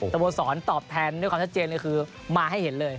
โมสรตอบแทนด้วยความชัดเจนเลยคือมาให้เห็นเลย